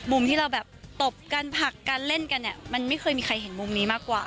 ที่เราแบบตบกันผลักกันเล่นกันเนี่ยมันไม่เคยมีใครเห็นมุมนี้มากกว่า